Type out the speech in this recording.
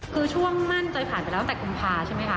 คือช่วงมั่นใจผ่านไปแล้วตั้งแต่กุมภาใช่ไหมคะ